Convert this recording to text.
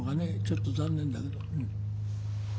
ちょっと残念だけど。